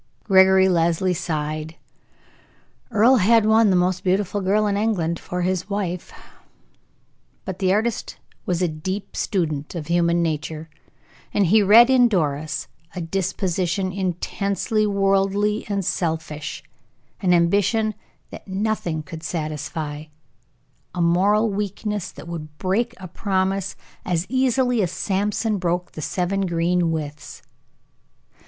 Gregory Leslie sighed. Earle had won the most beautiful girl in England for his wife; but the artist was a deep student of human nature, and he read in Doris a disposition intensely worldly and selfish, an ambition that nothing could satisfy, a moral weakness that would break a promise as easily as Samson broke the seven green withes.